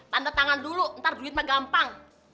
tante tangan dulu ntar duit mah gampang